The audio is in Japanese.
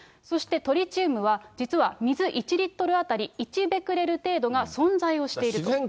そしてトリチウムは、実は水１リットル当たり１ベクレル程度が存在をしていると。